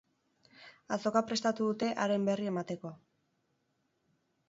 Azoka prestatu dute haren berri emateko.